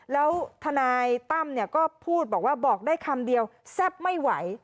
แล้วทนายตั้มก็พูดบอกว่าบอกได้คำเดียวแซ่บไม่ไหว